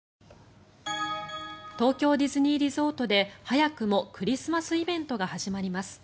東京ディズニーリゾートで早くもクリスマスイベントが始まります。